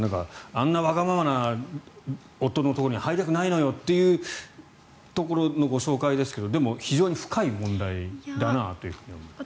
あんなわがままな夫のところに入りたくないのよというところのご紹介ですがでも、非常に深い問題だなと思います。